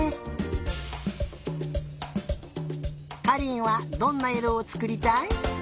かりんはどんないろをつくりたい？